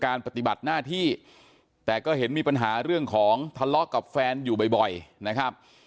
ปฏิบัติหน้าที่แต่ก็เห็นมีปัญหาเรื่องของทะเลาะกับแฟนอยู่บ่อยนะครับ